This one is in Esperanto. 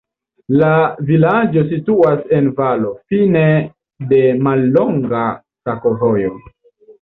La vilaĝo situas en valo, fine de mallonga sakovojo.